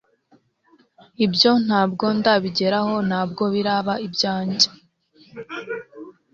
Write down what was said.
ibyo ntabwo ndabigeraho ntabwo biraba ibyanjye